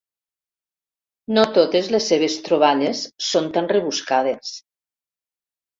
No totes les seves troballes són tan rebuscades.